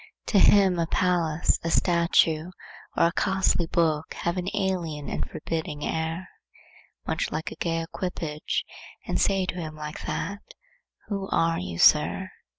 To him a palace, a statue, or a costly book have an alien and forbidding air, much like a gay equipage, and seem to say like that, 'Who are you, Sir?